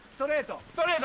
ストレート。